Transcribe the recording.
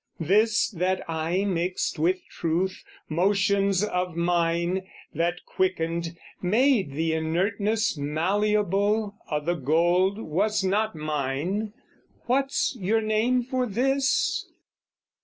This that I mixed with truth, motions of mine That quickened, made the inertness mallealable O' the gold was not mine, what's your name for this?